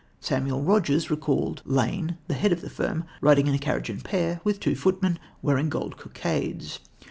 Samuel Rogers recalled Lane, the head of the firm, riding in a carriage and pair with two footmen, wearing gold cockades.